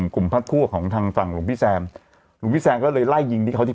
พักคั่วของทางฝั่งหลวงพี่แซมหลวงพี่แซมก็เลยไล่ยิงที่เขาที่